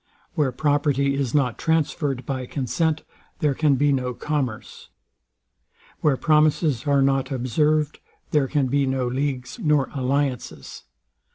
Where property is not transferred by consent, there can be no commerce. Where promises are not observed, there can be no leagues nor alliances.